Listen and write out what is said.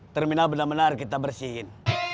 terminal benar benar kita bersihin